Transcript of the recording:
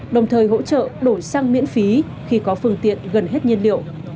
đồng thời hỗ trợ đổ xăng miễn phí khi có phương tiện gần hết nhiên liệu